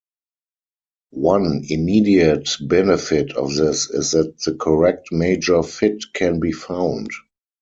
One immediate benefit of this is that the correct major fit can be found.